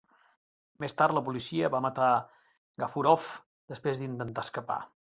Més tard la policia va matar Gafurov després d'intentar escapar.